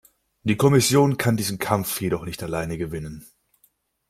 Die Kommission kann diesen Kampf jedoch nicht alleine gewinnen.